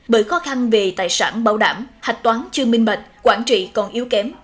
bởi khó khăn về tài sản bảo đảm hạch toán chưa minh bạch quản trị còn yếu kém